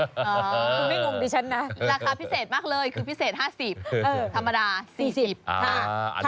คุณไม่งงดิฉันนะราคาพิเศษมากเลยคือพิเศษ๕๐ธรรมดา๔๐บาท